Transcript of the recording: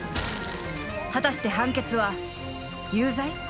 ［果たして判決は有罪？